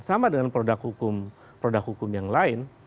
sama dengan produk hukum yang lain